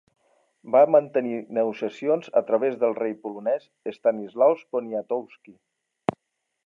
Va mantenir negociacions a través del rei polonès Stanislaus Poniatowski.